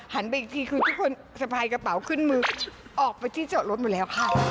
ไปอีกทีคือทุกคนสะพายกระเป๋าขึ้นมือออกไปที่จอดรถอยู่แล้วค่ะ